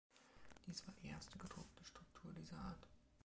Dies war die erste gedruckte Struktur dieser Art.